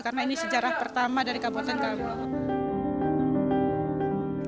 karena ini sejarah pertama dari kabupaten karawang